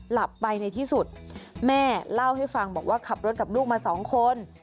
หลับไปในที่สุดแม่เล่าให้ฟังบอกว่าขับรถกับลูกมาสองคน